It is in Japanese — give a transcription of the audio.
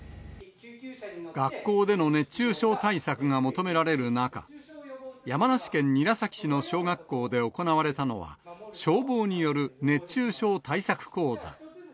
学校での熱中症対策が求められる中、山梨県韮崎市の小学校で行われたのは、消防による熱中症対策講座。